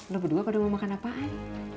lo berdua kadang mau makan apaan